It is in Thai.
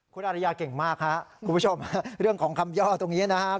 คุณอาริยาเก่งมากครับคุณผู้ชมเรื่องของคำย่อตรงนี้นะครับ